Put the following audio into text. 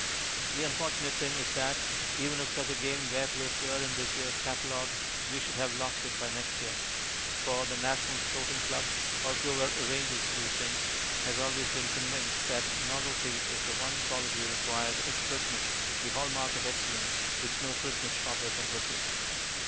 The unfortunate thing is that, even if such a game were to appear in this year's catalogue, we should have lost it by next year; for the National Sporting Club (or whoever arranges these things) has always been convinced that "novelty" is the one quality required at Christmas, the hall mark of excellence which no Christmas shopper can resist.